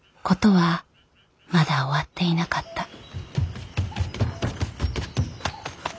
事はまだ終わっていなかった。